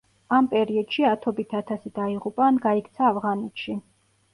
ამ პერიოდში ათობით ათასი დაიღუპა ან გაიქცა ავღანეთში.